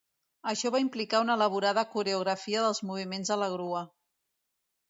Això va implicar una elaborada coreografia dels moviments de la grua.